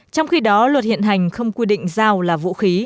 trong khi đó luật hiện hành không quy định dao là vũ khí